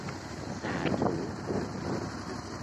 xạ thủ